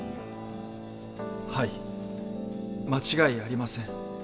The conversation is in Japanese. はい間違いありません。